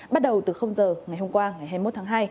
bắt đầu từ giờ ngày hôm qua ngày hai mươi một tháng hai